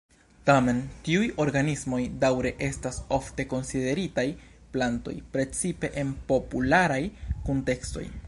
Tamen, tiuj organismoj daŭre estas ofte konsideritaj plantoj, precipe en popularaj kuntekstoj.